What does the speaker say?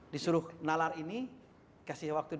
disuruh nalar ini kasih waktu dua hari